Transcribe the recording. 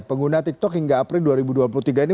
pengguna tiktok hingga april dua ribu dua puluh tiga ini